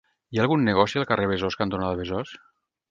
Hi ha algun negoci al carrer Besòs cantonada Besòs?